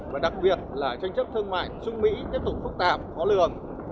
và đặc biệt là tranh chấp thương mại trung mỹ tiếp tục phức tạp khó lường